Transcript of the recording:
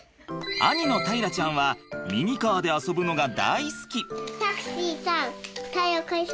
兄の大樂ちゃんはミニカーで遊ぶのが大好き。